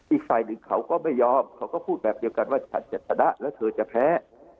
อีกฝ่ายหนึ่งเขาก็ไม่ยอมเขาก็พูดแบบเดียวกันว่าฉันจะชนะแล้วเธอจะแพ้